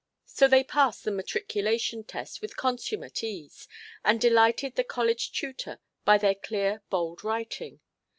So they passed the matriculation test with consummate ease, and delighted the college tutor by their clear bold writing.